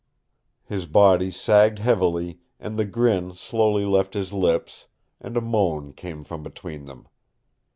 His body sagged heavily, and the grin slowly left his lips, and a moan came from between them.